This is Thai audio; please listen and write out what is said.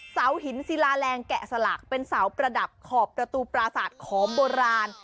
เสาหินศิลาแรงแกะสลักเป็นเสาประดับขอบประตูปราศาสตร์ขอมโบราณ